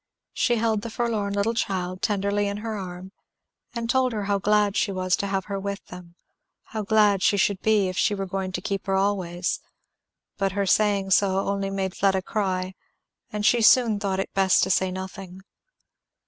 She held the forlorn little child tenderly in her arm, and told her how glad she was to have her with them, how glad she should be if she were going to keep her always; but her saying so only made Fleda cry, and she soon thought it best to say nothing.